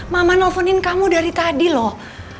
mama nelfonin kamu dari tadi loh